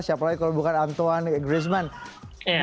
siapa lagi kalau bukan antoine griezmann